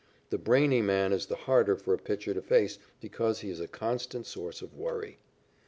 The brainy man is the harder for a pitcher to face because he is a constant source of worry.